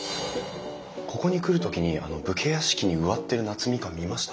ここに来る時にあの武家屋敷に植わってる夏みかん見ました。